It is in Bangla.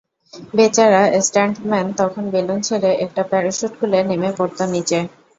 বেচারা স্টান্টম্যান তখন বেলুন ছেড়ে একটা প্যারাস্যুট খুলে নেমে পড়ত নিচে।